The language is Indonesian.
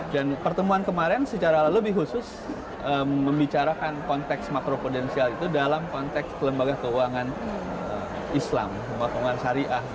dan pertemuan kemarin secara lebih khusus membicarakan konteks macro prudensial itu dalam konteks lembaga keuangan islam maklumat syariah